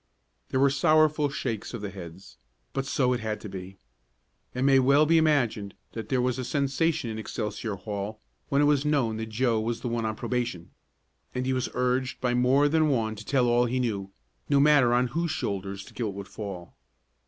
There were sorrowful shakes of the heads, but so it had to be. It may well be imagined that there was a sensation in Excelsior Hall when it was known that Joe was the one on probation, and he was urged by more than one to tell all he knew, no matter on whose shoulders the guilt would fall.